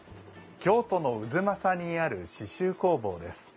京都の太秦にある刺しゅう工房です。